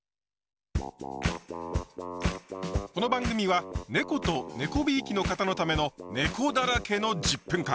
この番組はねことねこびいきの方のためのねこだらけの１０分間！